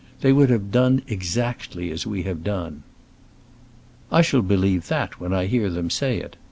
"They would have done exactly as we have done." "I shall believe that when I hear them say it.